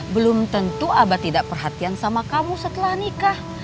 belum tentu abah tidak perhatian sama kamu setelah nikah